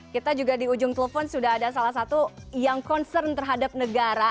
kita juga di ujung telepon sudah ada salah satu yang concern terhadap negara